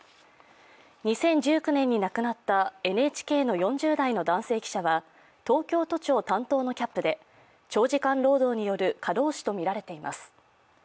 ２０１９年に亡くなったＮＨＫの４０代の男性記者は東京都庁担当のキャップで長時間労働による過労死とみられています。